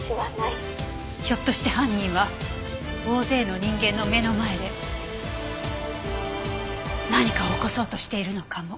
ひょっとして犯人は大勢の人間の目の前で何かを起こそうとしているのかも。